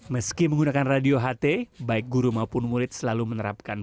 meski menggunakan radio ht baik guru maupun murid selalu menerapkan